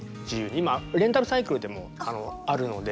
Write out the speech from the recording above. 今レンタルサイクルでもあるので。